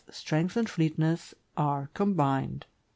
strength and fleetness, are combined.